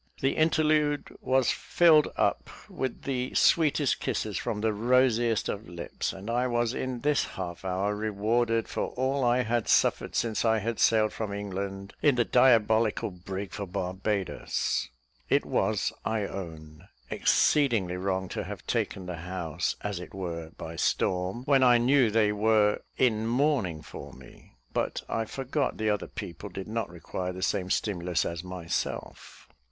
The interlude was filled up with the sweetest kisses from the rosiest of lips; and I was in this half hour rewarded for all I had suffered since I had sailed from England in the diabolical brig for Barbadoes. It was, I own, exceedingly wrong to have taken the house, as it were, by storm, when I knew they were in mourning for me; but I forgot that other people did not require the same stimulus as myself.